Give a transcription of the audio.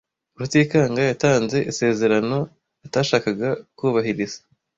Rutikanga yatanze isezerano atashakaga kubahiriza.